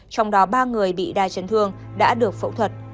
trong đó ba người bị đa chấn thương đã được phẫu thuật